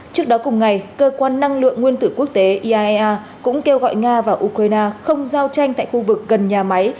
trước đó cùng ngày cơ quan năng lượng nguyên tử quốc tế iaea cũng kêu gọi nga và ukraine không giao tranh tại khu vực gần nhà máy